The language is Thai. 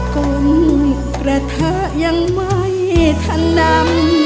คุณและเธอยังไม่ทะนำ